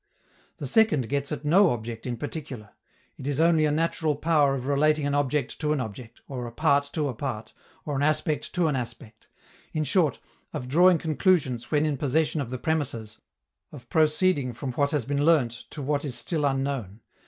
The second gets at no object in particular; it is only a natural power of relating an object to an object, or a part to a part, or an aspect to an aspect in short, of drawing conclusions when in possession of the premisses, of proceeding from what has been learnt to what is still unknown.